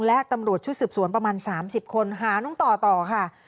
และตำรวจชุดสืบสวนประมาณ๓๐คนหาน้องต่อต่อค่ะ